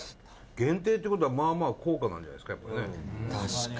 限定って事は、まあまあ高価なんじゃないですか？